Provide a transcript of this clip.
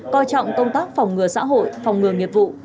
coi trọng công tác phòng ngừa xã hội phòng ngừa nghiệp vụ